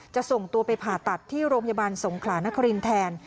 ส่งตัวไปผ่าตัดที่โรงพยาบาลสงขลานครินแทน